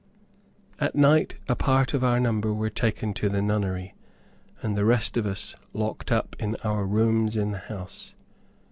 At night a part of our number were taken to the nunnery, and the rest of us locked up in our rooms in the house.